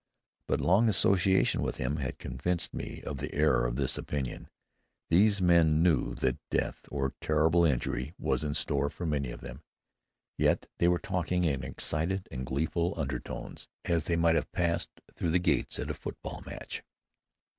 But long association with him had convinced me of the error of this opinion. These men knew that death or terrible injury was in store for many of them; yet they were talking in excited and gleeful undertones, as they might have passed through the gates at a football match.